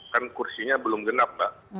kan kursinya belum genap mbak